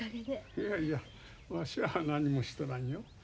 いやいやわしは何にもしとらんよ。